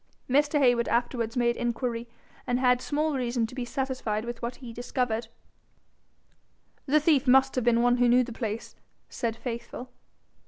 Mr. Heywood afterwards made inquiry, and had small reason to be satisfied with what he discovered. 'The thief must have been one who knew the place,' said Faithful.